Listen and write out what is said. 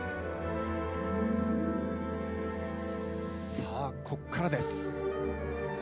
さあここからです。